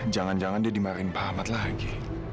jangan jangan dia dimarahin pak ahmad lagi